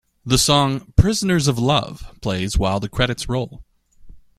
The song "Prisoners of Love" plays while the credits roll.